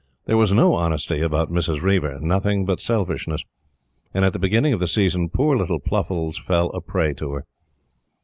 There was no honesty about Mrs. Reiver; nothing but selfishness. And at the beginning of the season, poor little Pluffles fell a prey to her.